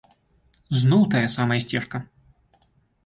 Зноў тая самая сцежка!